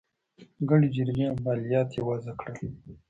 ګڼې جریمې او مالیات یې وضعه کړل.